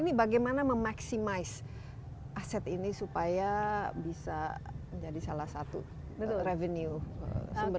ini bagaimana memaksimaisi aset ini supaya bisa menjadi salah satu revenue